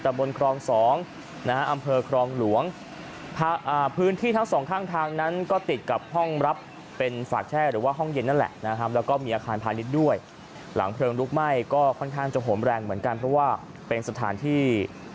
ต้องเย็นนั่นแหละนะครับแล้วก็มีอาคารพานิดด้วยหลังเพลิงลุกไหม้ก็ค่อนข้างจะโหมแรงเหมือนกันเพราะว่าเป็นสถานที่